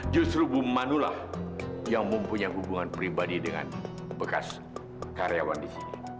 justru ibu mano lah yang mempunyai hubungan pribadi dengan bekas karyawan di sini